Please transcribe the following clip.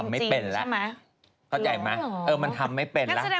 ไม่เป็นแล้วเข้าใจไหมเออมันทำไม่เป็นแล้ว